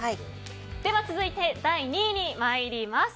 続いて第２位に参ります。